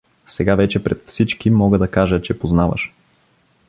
Сега вече пред всички мога да кажа, че познаваш.